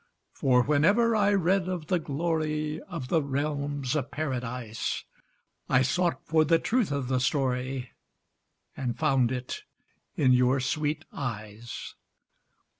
For whenever I read of the glory Of the realms of Paradise, I sought for the truth of the story And found it in your sweet eyes.